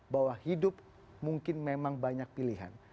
bahwa hidup mungkin memang banyak pilihan